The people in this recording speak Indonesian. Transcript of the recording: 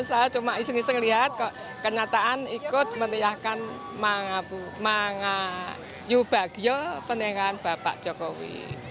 saya cuma iseng iseng lihat kenyataan ikut meneriahkan mangayubagyo peningan bapak jokowi